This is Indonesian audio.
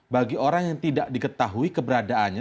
bagi orang yang tidak diketahui keberadaannya